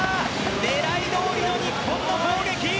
狙いどおりの日本の攻撃！